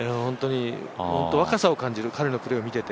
若さを感じる、彼のプレーを見てて。